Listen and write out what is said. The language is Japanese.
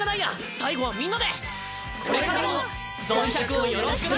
最後はみんなでこれからも「ゾン１００」をよろしくな！